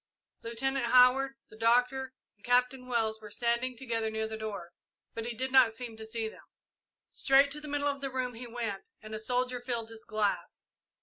Lieutenant Howard, the Doctor, and Captain Wells were standing together near the door, but he did not seem to see them. Straight to the middle of the room he went, and a soldier filled his glass.